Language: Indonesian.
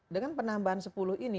dengan penambahan sepuluh ini